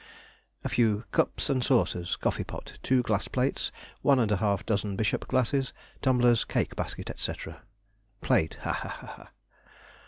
A few cups and saucers, coffee pot, two glass plates, one and half dozen bishop glasses, tumblers, cake basket, &c. Plate: Ha! ha! ha! ha!